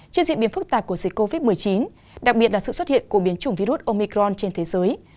trên diễn biến phức tạp của dịch covid một mươi chín đặc biệt là sự xuất hiện của biến chủng virus omicron trên thế giới